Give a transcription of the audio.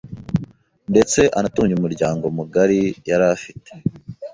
ndetse anatunge umuryango mugari yari afite